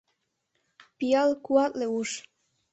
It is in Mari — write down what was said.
Пиал — куатле уш